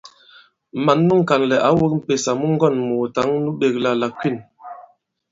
Mǎn nu ŋ̀kànlɛ̀ ǎ wōk m̀pèsà mu ŋgɔ̂n-mùùtǎŋ nu ɓēkla la Kwîn.